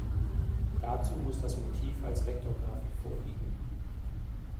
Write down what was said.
Dazu muss das Motiv als Vektorgrafik vorliegen.